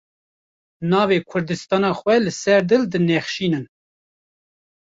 Navê kurdistana xwe li ser dil dinexşînin.